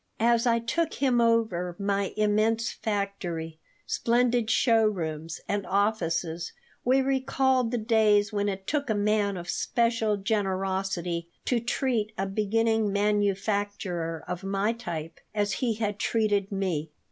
As I took him over my immense factory, splendid showrooms, and offices, we recalled the days when it took a man of special generosity to treat a beginning manufacturer of my type as he had treated me.